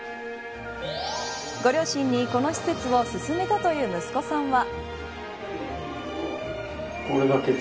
ご両親にこの施設をすすめたという息子さんは。